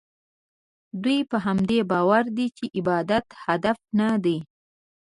دوی په همدې باور دي چې عبادت هدف نه دی.